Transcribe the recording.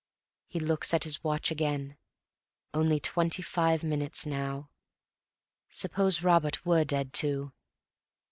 He looks at his watch again. (Only twenty five minutes now.) Suppose Robert were dead, too?